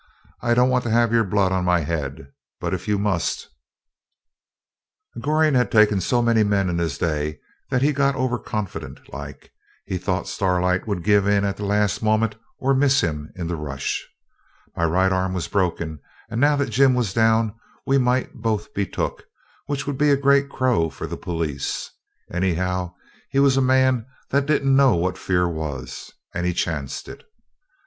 'I don't want to have your blood on my head; but if you must ' Goring had taken so many men in his day that he was got over confident like. He thought Starlight would give in at the last moment or miss him in the rush. My right arm was broken, and now that Jim was down we might both be took, which would be a great crow for the police. Anyhow, he was a man that didn't know what fear was, and he chanced it.